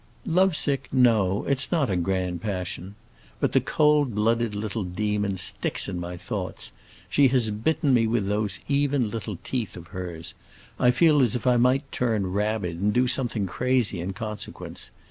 "Lovesick, no; it's not a grand passion. But the cold blooded little demon sticks in my thoughts; she has bitten me with those even little teeth of hers; I feel as if I might turn rabid and do something crazy in consequence.